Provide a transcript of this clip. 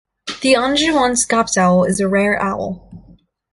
The Anjouan scops owl is a rare owl.